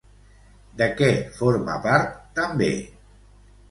De què forma part també?